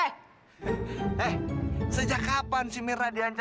eh sejak kapan sih mirna diancam